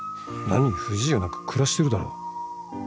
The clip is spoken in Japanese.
何不自由なく暮らしてるだろ